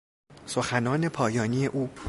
سخنان پایانی او